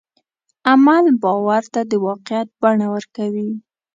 عمل باور ته د واقعیت بڼه ورکوي.